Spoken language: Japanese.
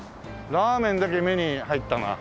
ラーメンだけ目に入ったなあ。